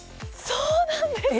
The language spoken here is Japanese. そうなんです。